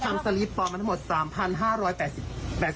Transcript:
เขาทำสลิปต่อมาทั้งหมด๓๕๘๐กว่าบาทเพราะว่ามีประเศษ๑๖๙๐